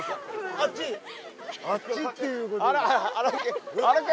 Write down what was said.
「あっち」っていうことです。